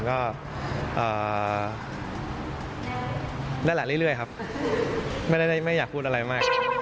ค่ะแล้วแหละเรื่อยครับไม่ได้อยากพูดอะไรไป